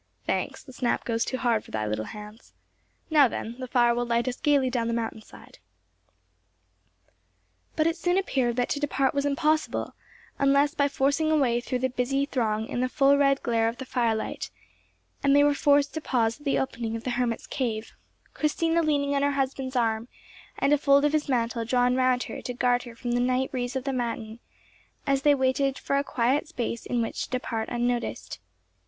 Thanks; the snap goes too hard for thy little hands. Now, then, the fire will light us gaily down the mountain side." But it soon appeared that to depart was impossible, unless by forcing a way through the busy throng in the full red glare of the firelight, and they were forced to pause at the opening of the hermit's cave, Christina leaning on her husband's arm, and a fold of his mantle drawn round her to guard her from the night breeze of the mountain, as they waited for a quiet space in which to depart unnoticed.